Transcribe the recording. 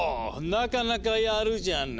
なかなかやるじゃない。